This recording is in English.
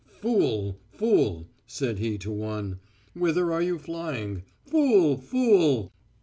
"'Fool! fool!' said he to one. 'Whither are you flying? Fool! fool!'